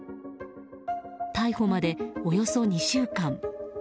逮捕まで、およそ２週間。